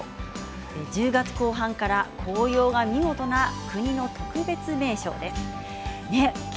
１０月後半から紅葉が見事な国の特別名勝です。